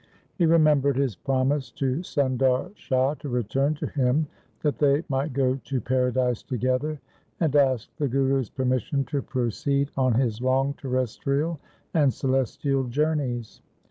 He remem bered his promise to Sundar Shah to return to him that they might go to paradise together, and asked the Guru's permission to proceed on his long terres trial and celestial journeys.